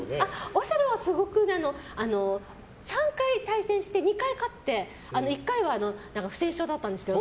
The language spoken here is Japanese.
オセロは３回対戦して２回勝って１回は不戦勝だったんですけど。